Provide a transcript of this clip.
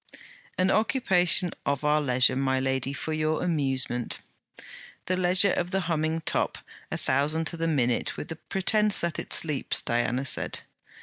'An occupation of our leisure, my lady, for your amusement.' 'The leisure of the humming top, a thousand to the minute, with the pretence that it sleeps!' Diana said.